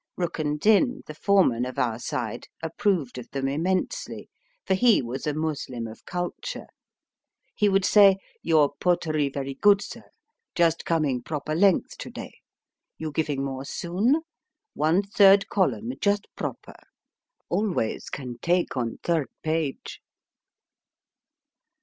Rukn Din, the foreman of our side, approved of them immensely, for he was a Muslim of culture. He would say : Your potery very good, sir ; just coming proper length to day. You giving more soon ? One third column just proper. Always can take on third page.